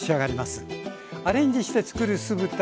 アレンジして作る酢豚。